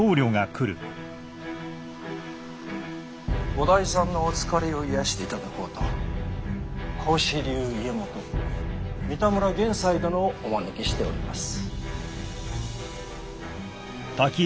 ご代参のお疲れを癒やしていただこうと紅紫流家元三田村玄斉殿をお招きしております。